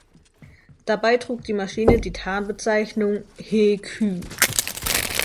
Dabei trug die Maschine die Tarnbezeichnung „He-Kü“.